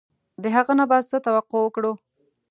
د هغه نه به څه توقع وکړو.